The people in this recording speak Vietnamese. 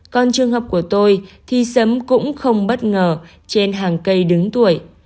còn trường hợp của tôi thì sấm cũng không bất ngờ trên hàng cây đứng tuổi